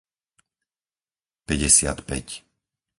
päťdesiatpäť